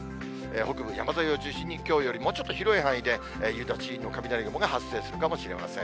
北部山沿いを中心に、きょうよりももうちょっと広い範囲で、夕立の雷雲が発生するかもしれません。